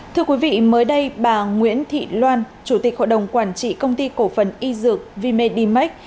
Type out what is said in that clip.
thưa quý vị mới đây bà nguyễn thị loan chủ tịch hội đồng quản trị công ty cổ phần y dược v medimax